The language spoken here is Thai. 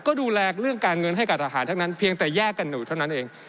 ก็ดูแลเรื่องการเงินให้กับทหารทั้งนั้นเพียงแต่แยกกันอยู่เท่านั้นเอง